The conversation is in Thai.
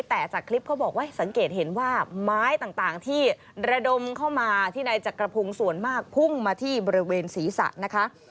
แต่จากคลิปเขาบอกว่าสังเกตเห็นว่าไม้ต่างที่ระดมเข้ามาที่นายจักรพงศ์ส่วนมากพุ่งมาที่บริเวณศีรษะนะคะ